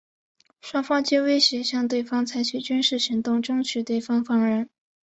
双方皆威胁向对方采取军事行动争取对方放人。